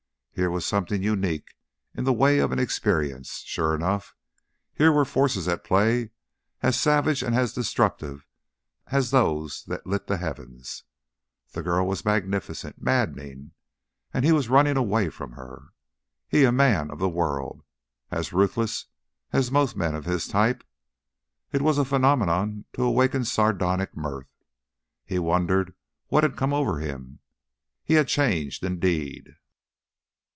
Here was something unique in the way of an experience, sure enough; here were forces at play as savage and as destructive as those that lit the heavens. The girl was magnificent, maddening and he was running away from her! He, a man of the world, as ruthless as most men of his type! It was a phenomenon to awaken sardonic mirth. He wondered what had come over him. He had changed, indeed.